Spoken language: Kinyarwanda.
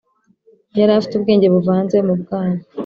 Yari afite ubwenge Buvanze mu bwana